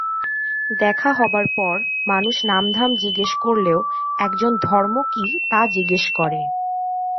দেখা হবার পর মানুষ নাম ধাম জিজ্ঞেস করলেও একজন ধর্ম কি তা জিজ্ঞেস করে।